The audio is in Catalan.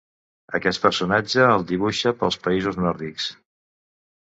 Aquest personatge el dibuixa pels Països nòrdics.